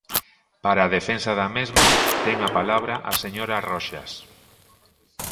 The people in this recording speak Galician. Para a defensa da mesma, ten a palabra a señora Roxas.